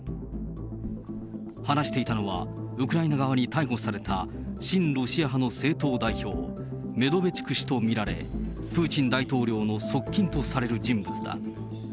話していたのは、ウクライナ側に逮捕された親ロシア派の政党代表、メドベチュク氏と見られ、プーチン大統領の側近とされる人物だ。